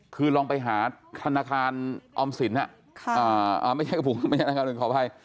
คือลองไปหาธนาคารออมสินอ่ะอ่าไม่ใช่กระปุกไม่ใช่ธนาคารหนึ่งขออภัย